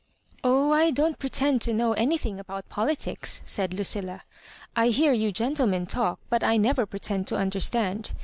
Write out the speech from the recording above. " Oh, I don't pretend to know anything about politics," said Lucilla. I hear you gentlemen talk, but I never pretend to understand.